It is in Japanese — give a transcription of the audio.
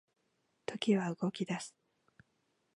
時は動き出す